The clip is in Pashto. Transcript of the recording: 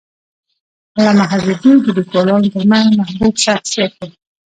علامه حبیبي د لیکوالانو ترمنځ محبوب شخصیت و.